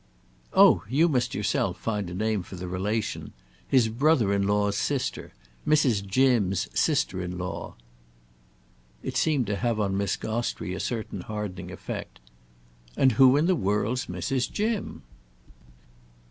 "Oh you must yourself find a name for the relation. His brother in law's sister. Mrs. Jim's sister in law." It seemed to have on Miss Gostrey a certain hardening effect. "And who in the world's Mrs. Jim?"